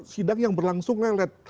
sidang yang berlangsung lelet